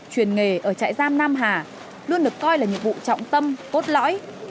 truyền nghề ở trại giam nam hà luôn được coi là nhiệm vụ trọng tâm cốt lõi